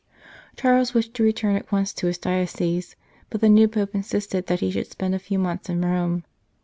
Charles wished to return at once to his diocese, but the new Pope insisted that he should spend a few months in Rome.